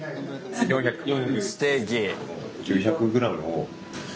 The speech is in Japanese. ステーキ。